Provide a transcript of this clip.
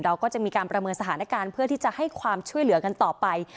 เราก็จะมีการประเมินสถานการณ์เพื่อที่จะให้ความช่วยเหลือกันต่อไป